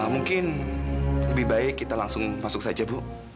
mungkin lebih baik kita langsung masuk saja bu